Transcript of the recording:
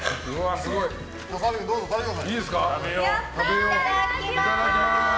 いただきます！